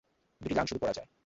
দুটি লাইন শুধু পড়া যায়।